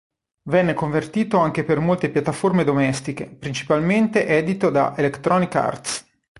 Venne convertito anche per molte piattaforme domestiche, principalmente edito da Electronic Arts.